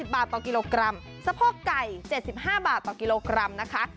บาทต่อกิโลกรัมสะโพกไก่๗๕บาทต่อกิโลกรัมนะคะ